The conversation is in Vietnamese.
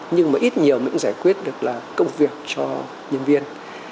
nhưng mà ít nhiều mình cũng giải quyết được là công việc cho nhân viên